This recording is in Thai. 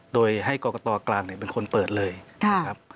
โดยให้กรกตกลางเป็นคนเปิดเลยนะครับ